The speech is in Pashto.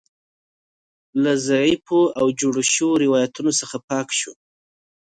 له ضعیفو او جوړو شویو روایتونو څخه پاک شو.